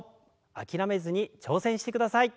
諦めずに挑戦してください。